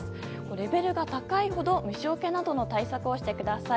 レベルが高いほど虫よけなどの対策をしてください。